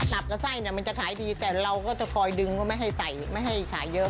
กับไส้เนี่ยมันจะขายดีแต่เราก็จะคอยดึงว่าไม่ให้ใส่ไม่ให้ขายเยอะ